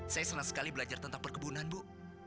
saya senang sekali belajar tentang perkebunan bu